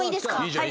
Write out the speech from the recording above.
はい。